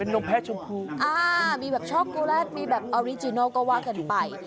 นมแพ้ชมพูอ่ามีแบบช็อกโกแลตมีแบบออริจินัลก็ว่ากันไป